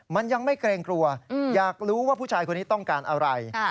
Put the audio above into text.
มันยังไม่เกรงกลัวอยากรู้ว่าผู้ชายคนนี้ต้องการอะไร